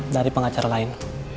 dari pengacara lain